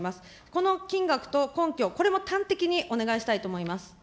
この金額と根拠、これも端的にお願いしたいと思います。